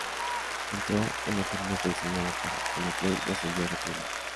Entró en la firma que diseñaba para Ana Klein y ascendió rápidamente.